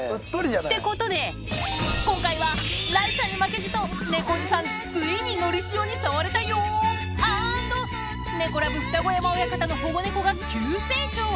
ってことで、今回は雷ちゃんに負けじと、猫おじさん、ついにのりしおに触れたよーアンド猫ラブ二子山親方の保護猫が急成長。